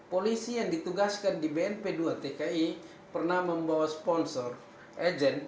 polisi yang ditugaskan di bnp dua tki pernah membawa sponsor agent